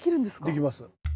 できます。